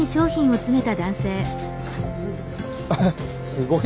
すごい。